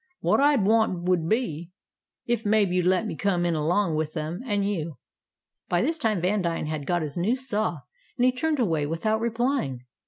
"What I'd want would be, ef maybe you'd let me come in along with them and you." By this time Vandine had got his new saw, and he turned away without replying.